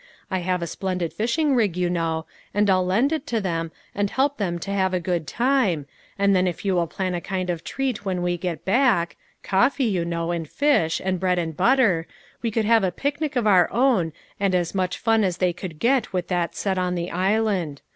I have a splendid fishing rig, you know, and I'll lend it to them, and help them to have a good time, and then if you will plan a kind of treat when we get back coffee, you know, and fish, and bread and butter, we could have a picnic of our own and as much fun as they would get with that set on the island.